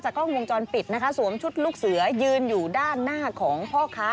กล้องวงจรปิดนะคะสวมชุดลูกเสือยืนอยู่ด้านหน้าของพ่อค้า